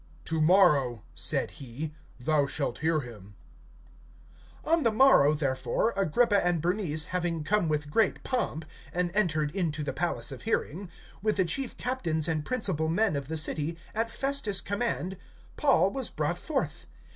To morrow, said he, thou shalt hear him. (23)On the morrow, therefore, Agrippa and Bernice having come with great pomp, and entered into the place of hearing, with the chief captains and principal men of the city, at Festus' command Paul was brought forth.